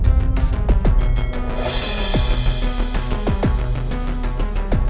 pajakak itu bisa meninggal kena serangan jantung